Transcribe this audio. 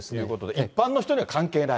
一般の人には関係ない。